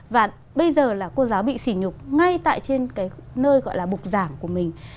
và bây giờ là cô giáo bị xỉ nhục ngay tại trên cái nơi gọi là bục giảng của mình